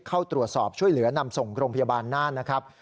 เข้าตรวจสอบช่วยเหลือนำส่งโรงพยาบาลน่านนะครับ